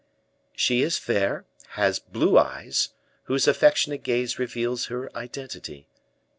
"She is fair, has blue eyes, whose affectionate gaze reveals her identity.